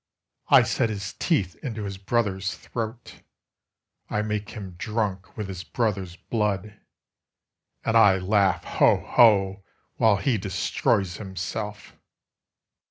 I set his teeth into his brother's throat. I make him drunk with his brother's blood. And I laugh ho! ho! while he destroys himself.